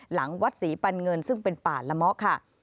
หลังวัดศรีปันเงินซึ่งเป็นป่าละเมาะค่ะ